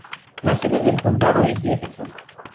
La sede del condado es Jefferson.